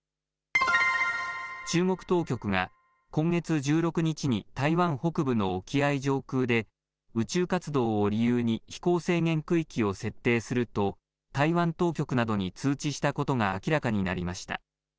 中国当局が、今月１６日に台湾北部の沖合上空で、宇宙活動を理由に飛行制限区域を設定すると、台湾当局などに通知したことが明らかになりました。